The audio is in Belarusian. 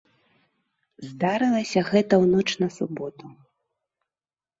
Здарылася гэта ў ноч на суботу.